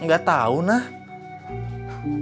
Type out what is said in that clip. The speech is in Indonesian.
enggak tahu nah coba nangis aja ya